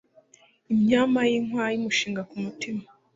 Imyama y'inkwaya imushinga ku mutima